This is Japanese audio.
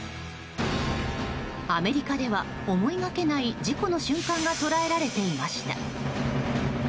アメリカでは思いがけない事故の瞬間が捉えられていました。